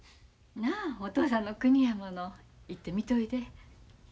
なあお父さんの国やもの行って見といで。